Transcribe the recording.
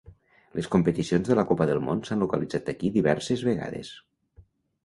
Les competicions de la Copa del Món s'han localitzat aquí diverses vegades.